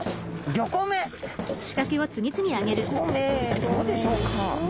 ５個目どうでしょうか？